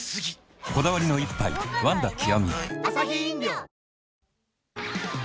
こだわりの一杯「ワンダ極」